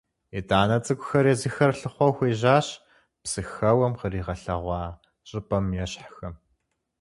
ИтӀанэ цӀыхухэр езыхэр лъыхъуэу хуежьащ Псыхэуэм къригъэлъэгъуа щӀыпӀэм ещхьхэм.